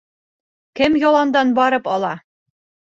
Кем яландан барып ала?